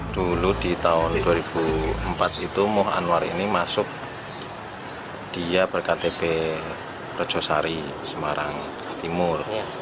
dulu di tahun dua ribu empat itu muh anwar ini masuk dia berktp rejosari semarang timur